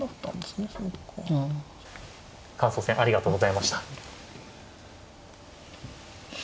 感想戦ありがとうございました。